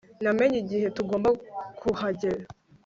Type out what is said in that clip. Namenye igihe tugomba kuhagera